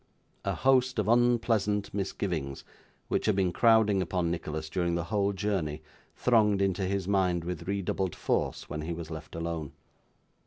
A host of unpleasant misgivings, which had been crowding upon Nicholas during the whole journey, thronged into his mind with redoubled force when he was left alone.